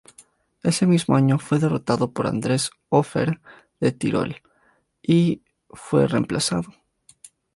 Ese mismo año fue derrotado por Andreas Hofer de Tirol, y fue reemplazado.